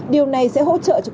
điều này sẽ hỗ trợ cho công dân